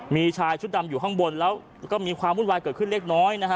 มีชายชุดดำอยู่ข้างบนแล้วก็มีความวุ่นวายเกิดขึ้นเล็กน้อยนะฮะ